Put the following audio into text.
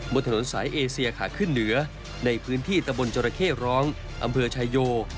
บนถนนสายเอเซียขาขึ้นเหนือในพื้นที่ตะบนจรเข้ร้องอำเภอชายโย